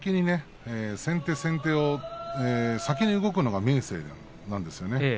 先手先手、先に動くのが明生ですね。